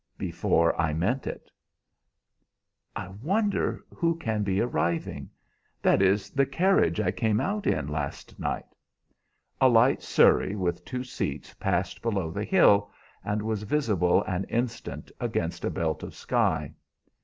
"Before I meant it." "I wonder who can be arriving. That is the carriage I came out in last night." A light surrey with two seats passed below the hill, and was visible an instant against a belt of sky.